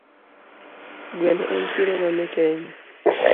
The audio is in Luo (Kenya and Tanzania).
Gweno en chiemo mamit ahinya